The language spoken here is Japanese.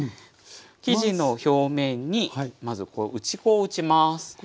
生地の表面にまず打ち粉を打ちます。